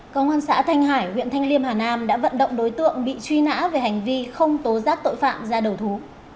công an xã thanh hải huyện thanh liêm hà nam đã vận động đối tượng bị truy nã về hành vi không tố giác tội phạm ra đầu thú